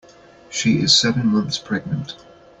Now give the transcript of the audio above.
She is seven months pregnant.